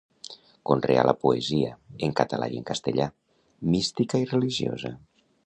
Conreà la poesia, en català i en castellà, mística i religiosa.